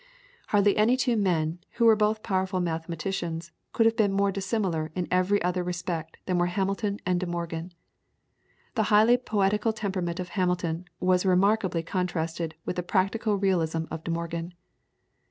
Hardly any two men, who were both powerful mathematicians, could have been more dissimilar in every other respect than were Hamilton and De Morgan. The highly poetical temperament of Hamilton was remarkably contrasted with the practical realism of De Morgan.